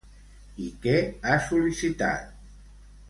I què ha sol·licitat?